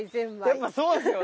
やっぱそうですよね。